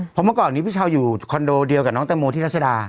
เพราะเมื่อก่อนนี้พี่เช้าอยู่คอนโดเดียวกับน้องแตงโมที่รัชดา